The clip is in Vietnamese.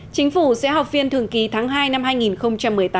chính phủ sẽ học phiên thường kỳ tháng hai năm hai nghìn một mươi tám